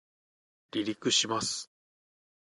離陸します